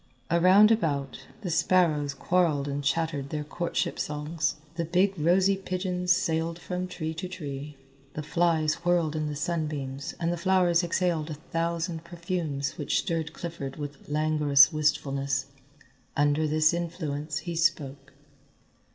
Around about, the sparrows quarrelled and chattered their courtship songs, the big rosy pigeons sailed from tree to tree, the flies whirled in the sunbeams and the flowers exhaled a thousand perfumes which stirred Clifford with languorous wistfulness. Under this influence he spoke.